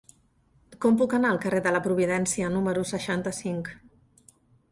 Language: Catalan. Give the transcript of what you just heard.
Com puc anar al carrer de la Providència número seixanta-cinc?